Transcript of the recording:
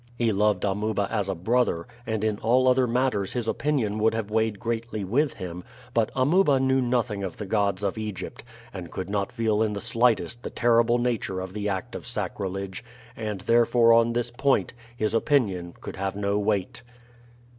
He loved Amuba as a brother, and in all other matters his opinion would have weighed greatly with him; but Amuba knew nothing of the gods of Egypt, and could not feel in the slightest the terrible nature of the act of sacrilege, and therefore on this point his opinion could have no weight.